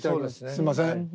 すんません。